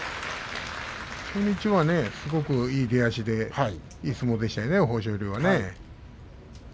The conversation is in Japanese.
初日はいい出足でいい相撲でしたよね、豊昇龍は。